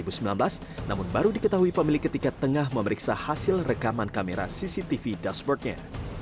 ini terjadi pada dua november dua ribu sembilan belas namun baru diketahui pemilik ketika tengah memeriksa hasil rekaman kamera cctv dashboardnya